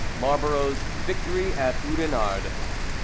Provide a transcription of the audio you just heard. Marlborough's victory at Oudenarde.